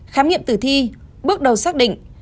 khám nghiệm tử thi bước đầu xác định